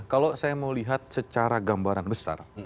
kalau saya mau lihat secara gambaran besar